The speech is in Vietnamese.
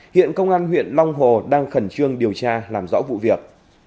hiện công an huyện long hồ đang khẩn trương điều tra làm rõ vụ việc